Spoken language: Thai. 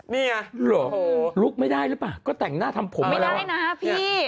นี่ไงเหรอลุกไม่ได้หรือเปล่าก็แต่งหน้าทำผมไม่ได้นะพี่